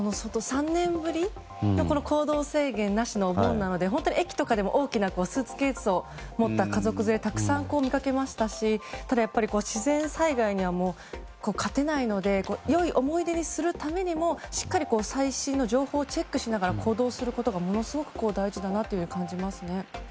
３年ぶりの行動制限なしのお盆なので本当に駅とかでも大きなスーツケースを持った家族連れをたくさん見かけましたしただ、やっぱり自然災害にはもう勝てないので良い思い出にするためにもしっかり最新の情報をチェックしながら行動することがものすごく大事だなと感じますね。